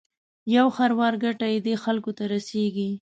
یو خروار ګټه یې دې خلکو ته رسېږي.